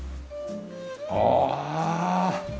ああ。